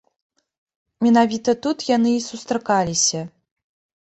Менавіта тут яны і сустракаліся.